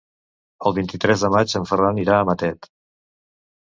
El vint-i-tres de maig en Ferran irà a Matet.